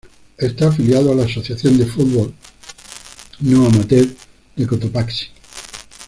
Está afiliado a la Asociación de Fútbol No Amateur de Cotopaxi.